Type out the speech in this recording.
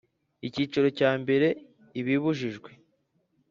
Icyiciro cya mbere Ibibujijwe